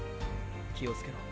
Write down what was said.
気を付けろ。